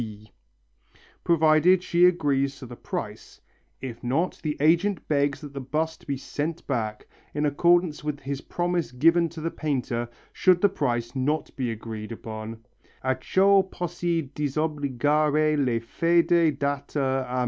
_), provided she agrees to the price; if not the agent begs that the bust may be sent back, in accordance with his promise given to the painter, should the price not be agreed upon (_acciò possi disobbligar la fede data a M.